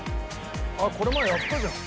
あっこれ前やったじゃん。